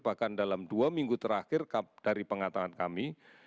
bahkan dalam dua minggu terakhir dari pengataan kami